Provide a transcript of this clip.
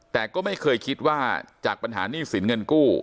แต่ก็ไม่เคยคิดว่าจากปัญหาหนี้สินเงินกู้